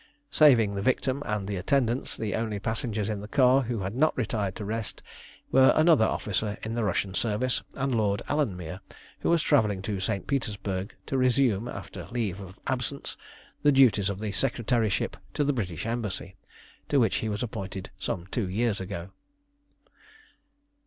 Saving the victim and the attendants, the only passengers in the car who had not retired to rest were another officer in the Russian service and Lord Alanmere, who was travelling to St. Petersburg to resume, after leave of absence, the duties of the Secretaryship to the British Embassy, to which he was appointed some two years ago.